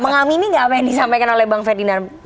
mengamini nggak apa yang disampaikan oleh bang ferdinand